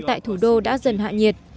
tại thủ đô đã dần hạ nhiệt